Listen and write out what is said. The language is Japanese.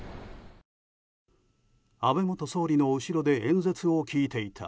安倍元総理の後ろで演説を聞いていた